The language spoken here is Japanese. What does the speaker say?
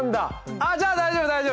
あっじゃあ大丈夫大丈夫。